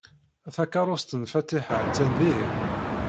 Takeṛṛust n Fatiḥa attan dihin.